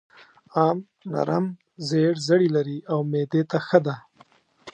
ام نرم زېړ زړي لري او معدې ته ښه ده.